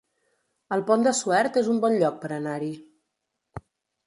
El Pont de Suert es un bon lloc per anar-hi